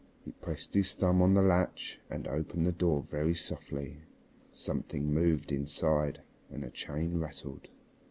He pressed his thumb on the latch and opened the door very softly. Something moved inside and a chain rattled.